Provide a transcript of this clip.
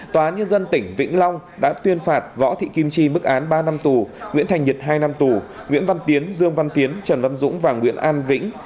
tòa nhân dân tỉnh vĩnh long đã tuyên phạt võ thị kim chi mức án ba năm tù nguyễn thành nhật hai năm tù nguyễn văn tiến dương văn tiến trần văn dũng và nguyễn an vĩnh